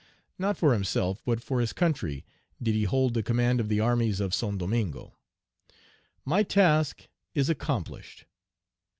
Not for himself, but for his country, did he hold the command of the armies of Saint Donmingo. "My task is accomplished."